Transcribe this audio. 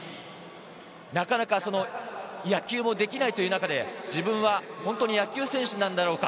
なかなか野球もできないという中で自分は本当に野球選手なんだろうか？